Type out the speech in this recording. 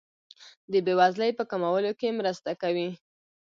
د بیوزلۍ په کمولو کې مرسته کوي.